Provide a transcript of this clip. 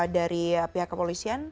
dari pihak kepolisian